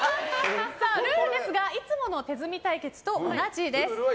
ルールですがいつもの手積み対決と同じです。